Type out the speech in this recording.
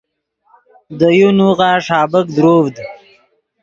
دے یو نوغہ ݰابیک دروڤد